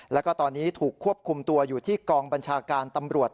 แล้วก็ตอนนี้ถูกควบคุมตัวอยู่ที่กองบัญชาการตำรวจ